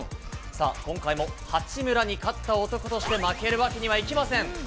さあ、今回も八村に勝った男として、負けるわけにはいきません。